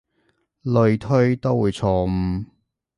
類推都會錯誤